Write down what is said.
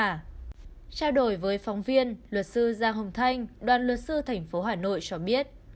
trao đổi với phóng viên luật sư giang hồng thanh đoàn luật sư tp hà nội cho biết